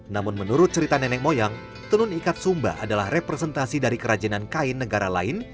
namun menurut cerita nenek moyang tenun ikat sumba adalah representasi dari kerajinan kain negara lain